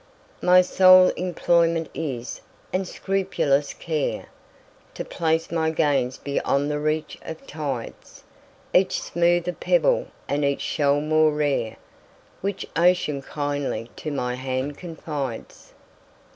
My sole employment is, and scrupulous care, To place my gains beyond the reach of tides,—Each smoother pebble, and each shell more rare, Which Ocean kindly to my hand confides.